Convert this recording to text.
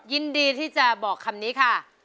ยินดีที่จะบอกคำนี้ค่ะ